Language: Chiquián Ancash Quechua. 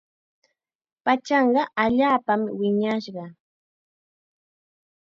Pachanqa allaapam wiñashqa.